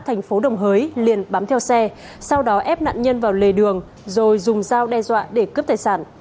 thành phố đồng hới liền bám theo xe sau đó ép nạn nhân vào lề đường rồi dùng dao đe dọa để cướp tài sản